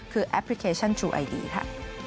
คือแอปพลิเคชันชูไอดีค่ะ